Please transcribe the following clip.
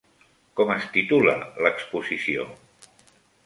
Com es titula l'exposició?